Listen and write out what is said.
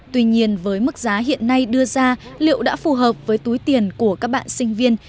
tuy nhiên với mức giá hiện nay đưa ra liệu đã phù hợp với túi tiền của các bạn sinh viên